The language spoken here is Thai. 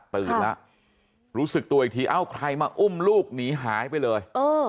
ตื่นแล้วรู้สึกตัวอีกทีเอ้าใครมาอุ้มลูกหนีหายไปเลย